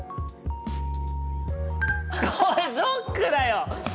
これショックだよ！